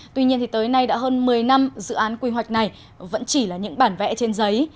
tuy nhiên tới nay đã hơn một mươi năm dự án quy hoạch này vẫn chỉ là những bản vẽ trên giấy